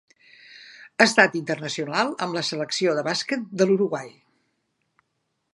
Ha estat internacional amb la selecció de bàsquet de l'Uruguai.